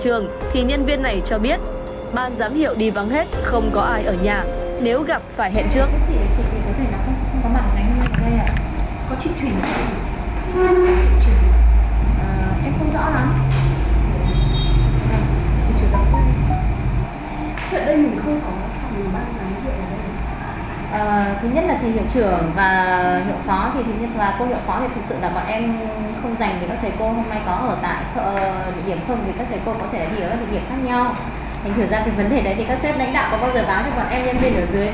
thành thử ra về vấn đề đấy thì các sếp đánh đạo có bao giờ báo cho bọn em nhân viên ở dưới biết được định trình đâu chị